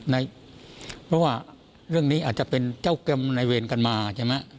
เพราะว่าเรื่องนี้อาจจะเป็นเจ้ากรรมในเวรกันมาใช่ไหม